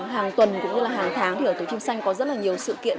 hàng tuần cũng như là hàng tháng thì ở tổ chính xanh có rất là nhiều sự kiện